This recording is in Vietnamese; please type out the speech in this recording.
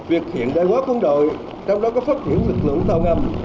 việc hiện đại quốc phòng đội trong đó có phát triển lực lượng tàu ngầm